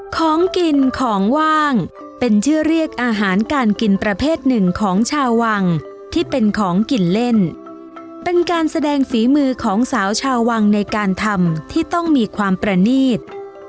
ของกินของว่างเป็นชื่อเรียกอาหารการกินประเภทหนึ่งของชาววังที่เป็นของกินเล่นเป็นการแสดงฝีมือของสาวชาววังในการทำที่ต้องมีความประนีต